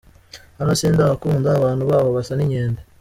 "Hano sindahakunda, abantu baho basa n'inkende.